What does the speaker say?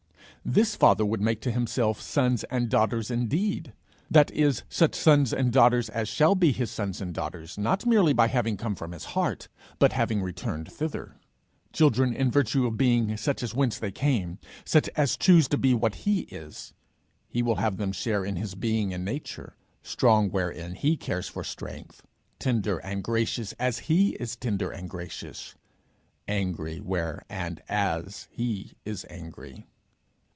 This Father would make to himself sons and daughters indeed that is, such sons and daughters as shall be his sons and daughters not merely by having come from his heart, but by having returned thither children in virtue of being such as whence they came, such as choose to be what he is. He will have them share in his being and nature strong wherein he cares for strength; tender and gracious as he is tender and gracious; angry where and as he is angry.